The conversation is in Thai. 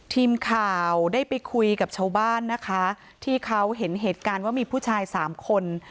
ทีมข่าวได้ไปคุยกับชาวบ้านนะคะที่เขาเห็นเหตุการณ์ว่ามีผู้ชายสามคน